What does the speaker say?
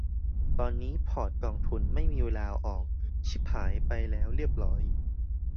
ตอนนี้พอร์ตกองทุน ไม่มีเวลาเอาออก ฉิบหายไปแล้วเรียบร้อย